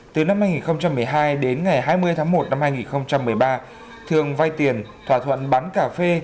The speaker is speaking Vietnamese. từ năm hai nghìn một mươi hai đến ngày hai mươi tháng một năm hai nghìn một mươi ba thường vay tiền thỏa thuận bán cà phê